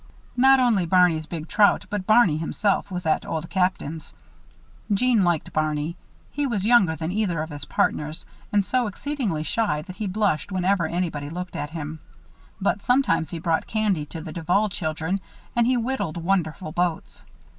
Not only Barney's big trout but Barney himself was at Old Captain's. Jeanne liked Barney. He was younger than either of his partners and so exceedingly shy that he blushed whenever anybody looked at him. But he sometimes brought candy to the Duval children and he whittled wonderful boats.